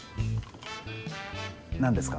何ですか？